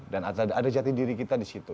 dan ada jati diri kita di situ